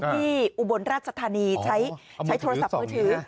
อุบลราชธานีใช้โทรศัพท์มือถือ